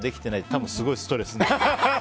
多分すごいストレスになってる。